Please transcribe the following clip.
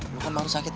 lo kan baru sakit